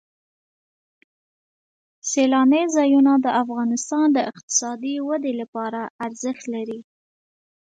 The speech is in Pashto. سیلانی ځایونه د افغانستان د اقتصادي ودې لپاره ارزښت لري.